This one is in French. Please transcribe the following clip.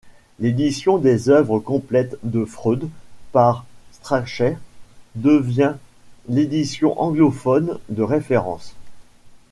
L'édition des œuvres complètes de Freud par Strachey devient l'édition anglophone de référence.